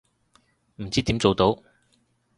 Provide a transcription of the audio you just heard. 唔知點做到